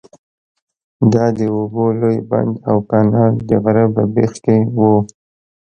دا د اوبو لوی بند او کانال د غره په بیخ کې وو.